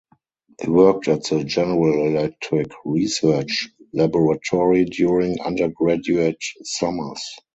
He worked at the General Electric Research Laboratory during undergraduate summers.